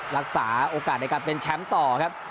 รักษาโอกาสในการเป็นแชมป์ต่อครับ